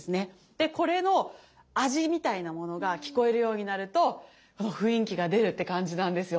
でこれの味みたいなものが聞こえるようになるとあの雰囲気が出るって感じなんですよ。